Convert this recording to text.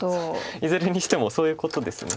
いずれにしてもそういうことですよね。